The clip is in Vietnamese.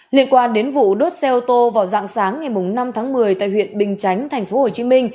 liên quan đến vụ đốt xe ô tô vào dạng sáng ngày năm tháng một mươi tại huyện bình chánh tp hcm